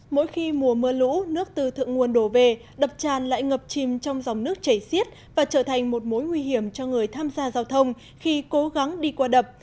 mỗi khi mùa mưa lũ nước từ thượng nguồn đổ về đập tràn lại ngập chìm trong dòng nước chảy xiết và trở thành một mối nguy hiểm cho người tham gia giao thông khi cố gắng đi qua đập